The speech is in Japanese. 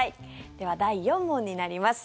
では、第４問になります。